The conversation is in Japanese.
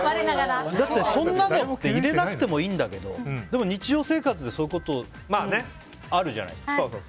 だって、そんなの入れなくてもいいんだけど日常生活でそういうことあるじゃないですか。